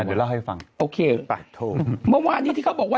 โตโจโหลละ